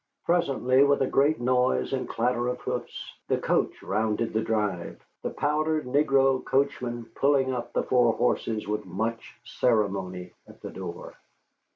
Presently, with a great noise and clatter of hoofs, the coach rounded the drive, the powdered negro coachman pulling up the four horses with much ceremony at the door.